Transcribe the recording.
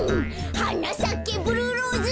「はなさけブルーローズ」